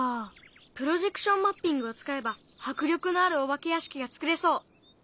プロジェクションマッピングを使えば迫力のあるお化け屋敷が作れそう！